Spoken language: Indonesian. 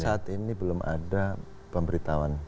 saat ini belum ada pemberitahuan